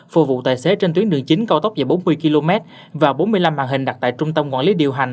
phục vụ tài xế trên tuyến đường chính cao tốc dài bốn mươi km và bốn mươi năm màn hình đặt tại trung tâm quản lý điều hành